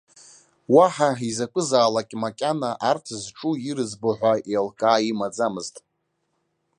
Уаҳа изакәызаалак макьана арҭ зҿу, ирӡбо ҳәа еилкаа имаӡамызт.